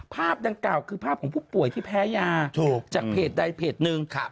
ภาพดังกล่าวคือภาพของผู้ป่วยที่แพ้ยาจากเพจใดเพจหนึ่ง